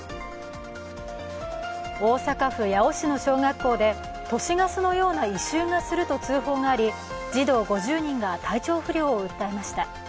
大阪府八尾市の小学校で都市ガスのような異臭がすると通報があり通報があり児童５０人が体調不良を訴えました。